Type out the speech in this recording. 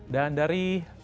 dan dari tayangan ini